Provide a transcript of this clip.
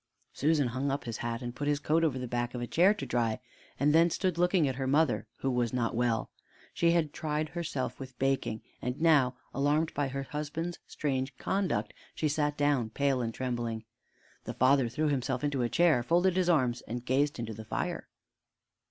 Susan hung up his hat, put his coat over the back of a chair to dry, and then stood looking at her mother, who was not well. She had tired herself with baking, and now, alarmed by her husband's strange conduct, she sat down pale and trembling. The father threw himself into a chair, folded his arms, and gazed into the fire.